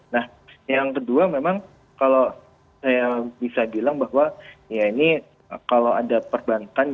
nah yang kedua memang kalau saya bisa bilang bahwa ya ini kalau ada perbankan